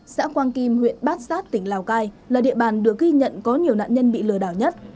xã quang kim huyện bát sát tỉnh lào cai là địa bàn được ghi nhận có nhiều nạn nhân bị lừa đảo nhất